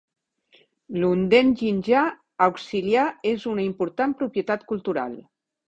L'honden jinja auxiliar és una important propietat cultural.